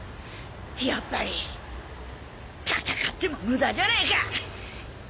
やっぱり戦っても無駄じゃねえか！